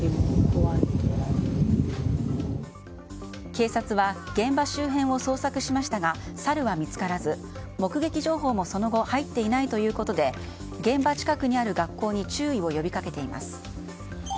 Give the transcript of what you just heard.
警察は現場周辺を捜索しましたがサルは見つからず、目撃情報もその後入っていないということで現場近くにある学校に注意を呼びかけています。